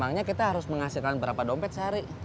barangnya kita harus menghasilkan berapa dompet sehari